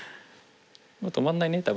もう止まんないね多分。